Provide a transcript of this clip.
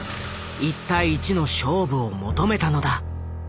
一対一の勝負を求めたのだ。